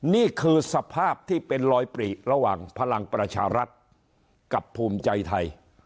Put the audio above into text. นี่คือสภาพที่เป็นรอยปรีระหว่างพลังประชารัฐกับภูมิใจไทย